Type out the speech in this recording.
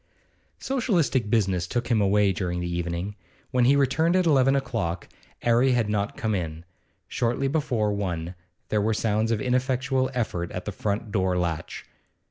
Socialistic business took him away during the evening. When he returned at eleven o'clock, 'Arry had not yet come in. Shortly before one there were sounds of ineffectual effort at the front door latch.